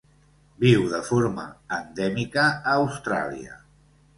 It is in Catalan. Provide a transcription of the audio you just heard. Viu de forma endèmica a Austràlia.